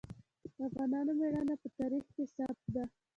د افغانانو ميړانه په تاریخ کې ثبت ده.